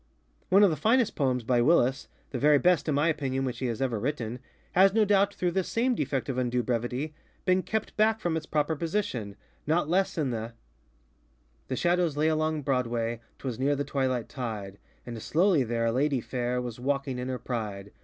One of the finest poems by WillisŌĆöthe very best in my opinion which he has ever writtenŌĆöhas no doubt, through this same defect of undue brevity, been kept back from its proper position, not less in the The shadows lay along Broadway, ŌĆÖTwas near the twilight tideŌĆö And slowly there a lady fair Was walking in her pride.